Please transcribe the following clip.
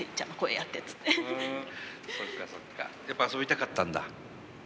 やっぱ遊びたかったんだ。